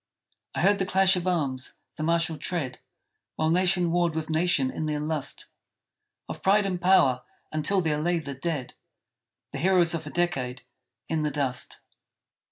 I heard the clash of arms; the martial tread; While nation warred with nation in their lust Of pride and power, until there lay the dead The heroes of a decade in the dust!